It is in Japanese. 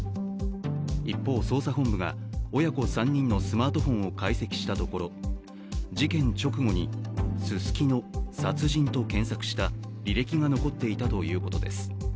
一方、捜査本部が親子３人のスマートフォンを解析したところ事件直後に「すすきの殺人」と検索した履歴が残っていたということです。